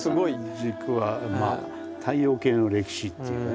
時間軸はまあ太陽系の歴史というかね